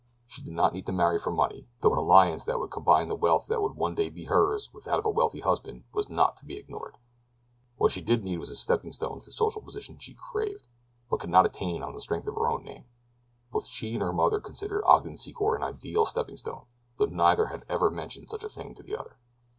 She did not need to marry for money, though an alliance that would combine the wealth that would one day be hers with that of a wealthy husband was not to be ignored. What she did need was a stepping stone to the social position she craved, but could not attain on the strength of her own name. Both she and her mother considered Ogden Secor an ideal stepping stone, though neither had ever mentioned such a thing to the other.